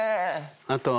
あとは。